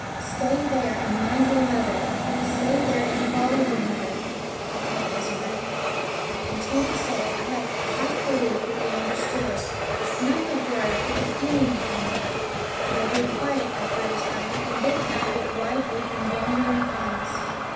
" Stay there, and mind your mother; stay there, and follow your mother," I kept whispering. And to this day I have a half belief that they under stood, not the word but the feeling behind it; for they grew quiet after a time and looked out with wide open, wondering eyes.